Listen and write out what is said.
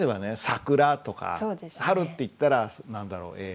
桜とか春っていったら何だろうえ